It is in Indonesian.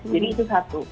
jadi itu satu